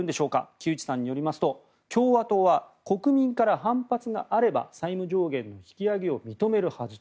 木内さんによりますと共和党は国民から反発があれば債務上限の引き上げを認めるはず。